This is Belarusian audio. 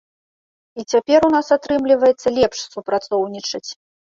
І цяпер у нас атрымліваецца лепш супрацоўнічаць.